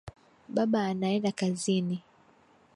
Baba anaenda kazini.